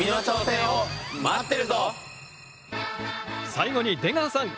最後に出川さん